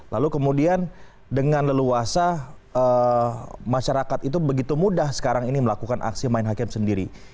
lalu kemudian dengan leluasa masyarakat itu begitu mudah sekarang ini melakukan aksi main hakim sendiri